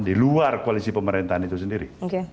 di luar koalisi pemerintahan itu sendiri